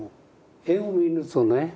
絵を見るとね